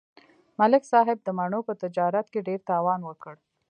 ملک صاحب د مڼو په تجارت کې ډېر تاوان وکړ.